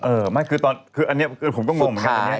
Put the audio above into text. เออไม่คือตอนนี้ผมก็งงเหมือนกับอันนี้